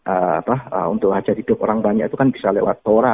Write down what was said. apa untuk hajat hidup orang banyak itu kan bisa lewat tora